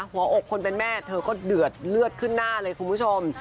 หัวอกคนเป็นแม่เธอก็เดือดเลือดขึ้นหน้าเลยคุณผู้ชม